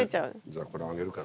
じゃあこれあげるから。